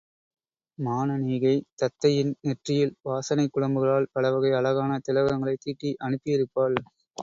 மானனீகை, தத்தையின் நெற்றியில் வாசனைக் குழம்புகளால் பலவகை அழகான திலகங்களைத் தீட்டி அனுப்பியிருப்பாள்.